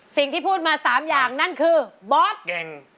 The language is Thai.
สิ่งที่พูดมา๓อย่างนั่นคือบอสเก่ง